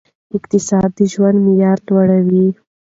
اقتصاد د ژوند معیار لوړوي.